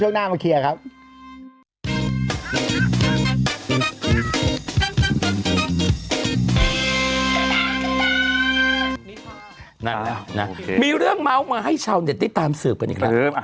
ถือขายช่วงล่างรถหรือเปล่าหรือเปล่าหรือเปล่าหรืออะไรนะเปล่า๔๕๙๐๐๙